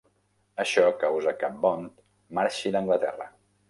Això causa que Bond marxi d'Anglaterra.